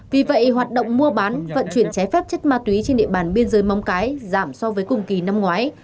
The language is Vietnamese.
vì vậy hoạt động mua bán vận chuyển trái phép chất ma túy trên địa bàn biên giới móng cái giảm so với cùng kỳ năm ngoái